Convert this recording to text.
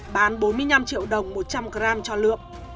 bán bốn mươi năm triệu đồng một trăm linh g cho lượm